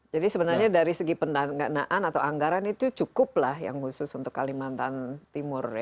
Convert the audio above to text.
jadi sebenarnya dari segi pendanaan atau anggaran itu cukuplah yang khusus untuk kalimantan timur ya